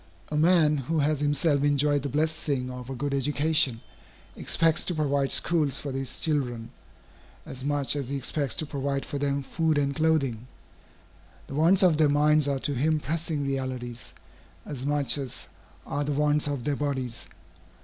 A man who has himself enjoyed the blessing of a good education, expects to provide schools for his children, as much as he expects to provide for them food and clothing. The wants of their minds are to him pressing realities, as much as are the wants of their bodies.